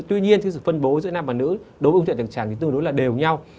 tuy nhiên sự phân bố giữa nam và nữ đối với ung thư đại trực tràng thì tương đối là đều nhau